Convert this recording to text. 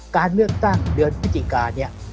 การเลือกตั้งเรือนพจิกา